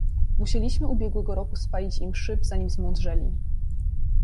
"Musieliśmy ubiegłego roku spalić im szyb, zanim zmądrzeli."